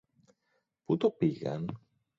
Πού το πήγαν;